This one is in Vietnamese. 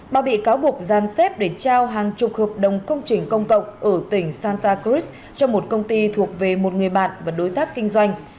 bà bị cáo buộc gian xếp để trao hàng chục hợp đồng công trình công cộng ở tỉnh santa cris cho một công ty thuộc về một người bạn và đối tác kinh doanh